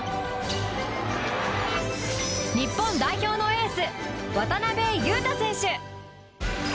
日本代表のエース渡邊雄太選手！